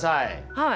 はい。